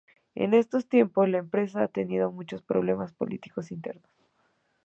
En estos tiempos, la empresa ha tenido muchos problemas políticos internos.